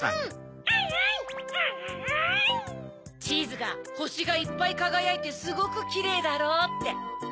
チーズが「ほしがいっぱいかがやいてすごくキレイだろう」って。